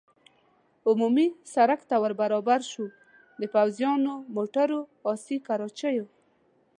عمومي سړک ته ور برابر شو، د پوځیانو، موټرو، اسي کراچیو.